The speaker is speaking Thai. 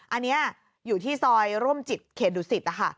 อันนี้อยู่ที่ซอยร่วมจิตเขตดุสิตนะคะ